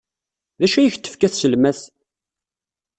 D acu ay ak-d-tefka tselmadt?